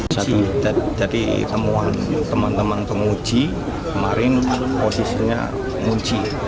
satu dari temuan teman teman penguji kemarin posisinya menguji